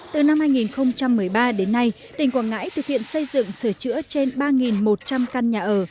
từ năm hai nghìn một mươi ba đến nay tỉnh quảng ngãi thực hiện xây dựng sửa chữa trên ba một trăm linh căn nhà ở